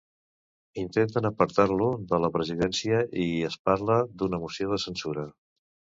Intenten apartar-lo de la presidència i es parla d'una moció de censura.